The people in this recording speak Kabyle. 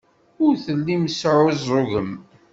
Ur tellim tesɛuẓẓugem.